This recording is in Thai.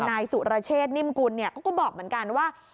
นายสุรเชษนิ่มกุลเขาก็บอกเหมือนกันว่า